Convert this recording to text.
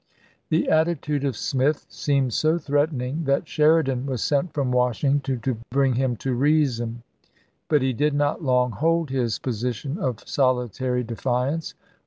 The attitude of Smith seemed so threatening that Sheridan was sent from Washington to bring him to reason. But he did not long hold his position of solitary defiance.